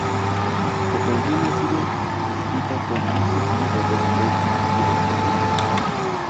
La canción ha sido descrita como un sencillo de rock pop y electropop.